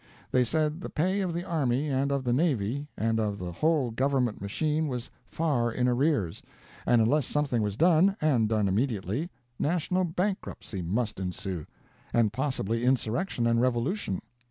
They said the pay of the army and of the navy and of the whole governmental machine was far in arrears, and unless something was done, and done immediately, national bankruptcy must ensue, and possibly insurrection and revolution.